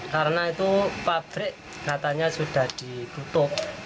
karena itu pabrik katanya sudah ditutup